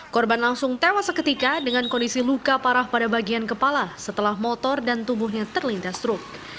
korban langsung tewas seketika dengan kondisi luka parah pada bagian kepala setelah motor dan tubuhnya terlindas truk